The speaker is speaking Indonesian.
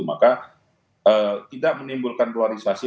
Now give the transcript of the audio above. maka tidak menimbulkan polarisasi